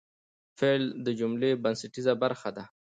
فعل د جملې بنسټیزه برخه ده.